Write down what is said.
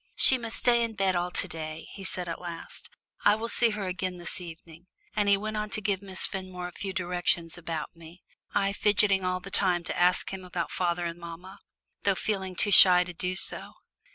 "She must stay in bed all to day," he said at last. "I will see her again this evening," and he went on to give Miss Fenmore a few directions about me, I fidgeting all the time to ask him about father and mamma, though feeling too shy to do so.